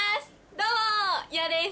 どうもゆなです。